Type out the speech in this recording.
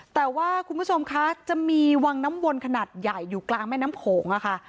แต่ว่าคุณผู้ชมคะจะมีวังน้ำวนขนาดใหญ่อยู่กลางแม่น้ำโขงอะค่ะ